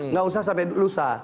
nggak usah sampai lusa